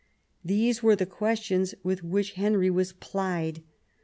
These were the questions with which Henry was plied.